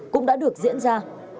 cũng đã được diễn ra